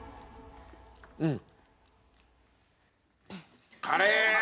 うん！